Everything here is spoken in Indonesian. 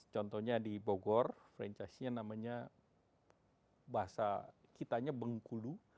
contohnya di bogor franchise nya namanya bahasa kita nya bengkulu